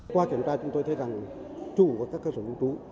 qua kiểm tra chúng tôi thấy rằng chủ và các cơ sở lưu trú